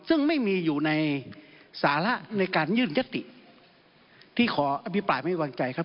ซึ่งไม่มีอยู่ในสาระในการยื่นยติที่ขออภิปรายไม่วางใจครับ